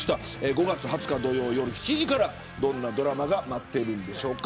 ５月２０日、土曜夜７時からどんなドラマが待っているんでしょうか。